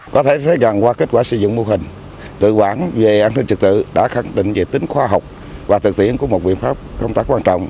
có thể thấy rằng qua kết quả sử dụng mô hình tự quản về an ninh trực tự đã khẳng định về tính khoa học và thực tiễn của một biện pháp công tác quan trọng